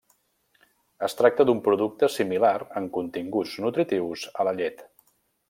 Es tracta d'un producte similar en continguts nutritius a la llet.